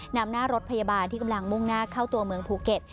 นำหน้ารถพยาบาลที่กำลังมุ่งหน้าเข้าตัวเมืองภูเก็ต